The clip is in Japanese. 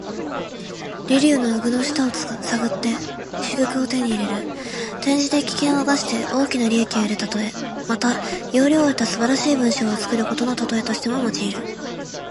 驪竜の顎の下を探って珠玉を手に入れる。転じて、危険を冒して大きな利益を得るたとえ。また、要領を得た素晴らしい文章を作ることのたとえとしても用いる。